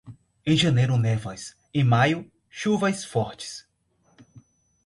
Em janeiro névoas, em maio, chuvas fortes.